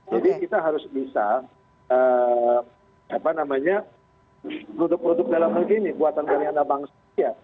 jadi kita harus bisa apa namanya produk produk dalam negeri ini buatan dari anak bangsa